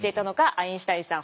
アインシュタインさん。